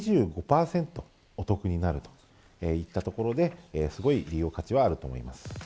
２５％お得になるといったところで、すごい利用価値はあると思い